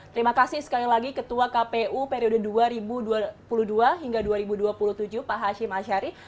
terima kasih sekali lagi ketua kpu periode dua ribu dua puluh dua hingga dua ribu dua puluh tujuh pak hashim ashari